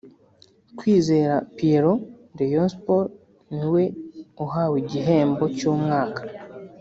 Kwizera Pierrot (Rayon Sports) ni we uhawe igihembo cy’umwaka